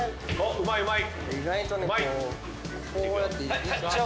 うまいうまい！